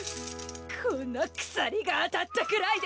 こんな鎖が当たったくらいで。